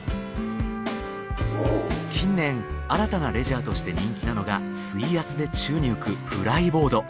近年新たなレジャーとして人気なのが水圧で宙に浮くフライボード。